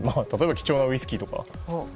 貴重なウイスキーとか。